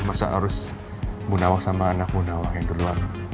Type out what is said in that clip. masa harus ibu nawang sama anak ibu nawang yang duluan